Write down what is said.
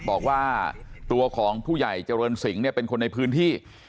บอกว่าตัวของผู้ใหญ่เจริญสิงห์เนี่ยเป็นคนในพื้นที่